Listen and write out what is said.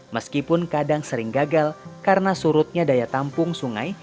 meskipun kadang sering gagal karena surutnya daya tampung sungai